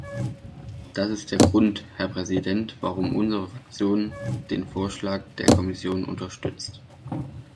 Das ist der Grund, Herr Präsident, warum unsere Fraktion den Vorschlag der Kommission unterstützt.